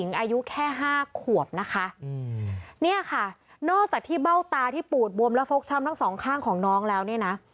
เนี่ยค่ะนอกจากที่เบ้าตาที่ปูดบวมและฟกช้ำทั้งสองข้างของนองแล้วเนี้ยนะ